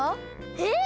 えっ⁉